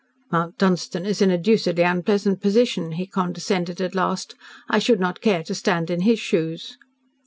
"Mount Dunstan is in a deucedly unpleasant position," he condescended at last. "I should not care to stand in his shoes."